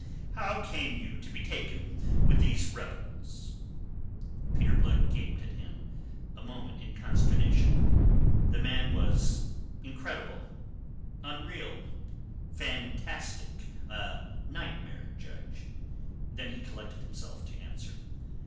How came you to be taken with these rebels?" Peter Blood gaped at him a moment in consternation. The man was incredible, unreal, fantastic, a nightmare judge. Then he collected himself to answer.